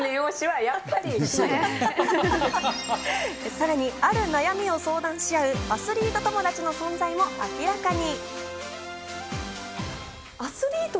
さらにある悩みを相談しあうアスリート友達の存在も明らかに。